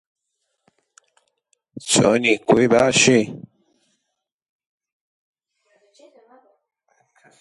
بیست دەقیقە ڕێ ڕۆیشتم، تووشی کانی و گۆلێک بوو